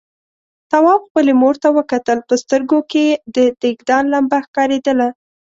تواب خپلې مور ته وکتل، په سترګوکې يې د دېګدان لمبه ښکارېدله.